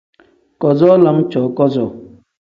Kazoo lam cooo kazoo.